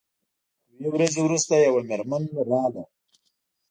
دوې ورځې وروسته یوه میرمن راغله.